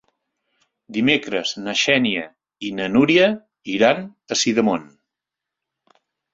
Dimecres na Xènia i na Núria iran a Sidamon.